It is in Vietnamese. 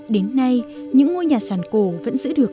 đến nay những ngôi nhà sàn cổ vẫn giữ được